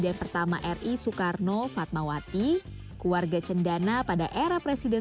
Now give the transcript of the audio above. anda bisa pilih isian daging atau jeroan